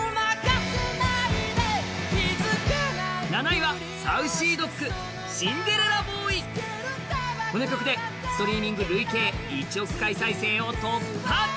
７位はＳａｕｃｙＤｏｇ「シンデレラボーイ」この曲でストリーミング累計１億回再生を突破！